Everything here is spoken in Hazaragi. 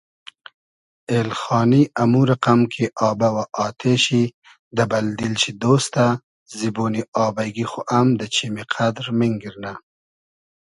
اېلخانی امو رئقئم کی آبۂ و آتې شی دۂ بئل دیل شی دۉستۂ زیبۉنی آبݷ گی خو رۂ ام دۂ چیمی قئدر مینگیرنۂ